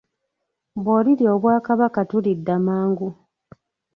Bw'olirya Obwakabaka tulidda mangu.